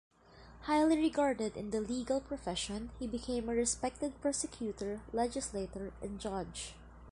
Highly regarded in the legal profession, he became a respected prosecutor, legislator, and judge.